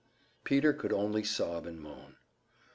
Peter could only sob and moan.